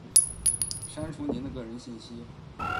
删除您的个人信息；